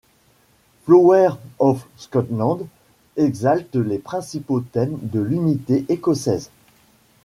Flower of Scotland exalte les principaux thèmes de l'unité écossaise.